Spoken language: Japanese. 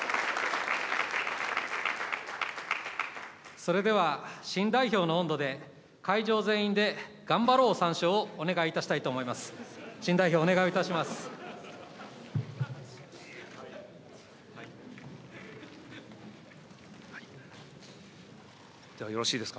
それでは新代表の音頭で、会場全員で頑張ろう三唱をお願いいたしたいと思います。